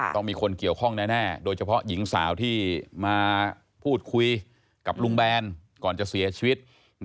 ต้องมีคนเกี่ยวข้องแน่โดยเฉพาะหญิงสาวที่มาพูดคุยกับลุงแบนก่อนจะเสียชีวิต